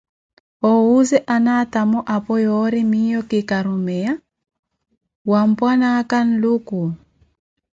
Owooze anaatamu apo, yoori miiyo ki karumeya wha Mpwanaaka Nluku.